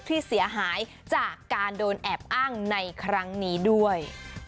ที่เสียหายจากการโดนแอบอ้างในครั้งนี้ด้วย